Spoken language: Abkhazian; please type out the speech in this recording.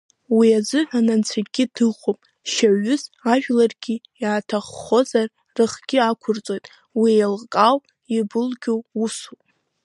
Уи азыҳәан Анцәагьы дыҟоуп шьауҩыс, ажәларгьы иаҭаххозар рыхгьы ақәырҵоит, уи еилкаау, ибылгьу усуп.